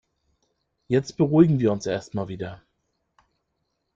Jetzt beruhigen wir uns erst mal wieder.